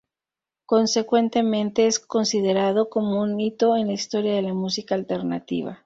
Consecuentemente, es considerado como un hito en la historia de la música alternativa.